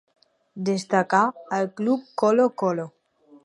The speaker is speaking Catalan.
Destacà al club Colo-Colo.